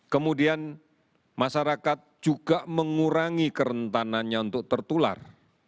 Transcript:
kemudian masyarakat juga mengurangi kerentanannya untuk tertular